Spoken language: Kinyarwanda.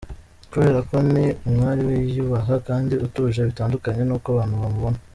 Kubera ko ni umwari wiyubaha kandi utuje bitandukanye n’uko abantu bamubona.